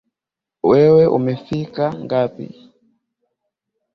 Wewe umefika ngapi